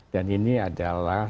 dan ini adalah